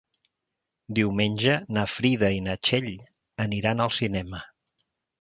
Diumenge na Frida i na Txell aniran al cinema.